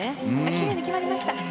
きれいに決まりました。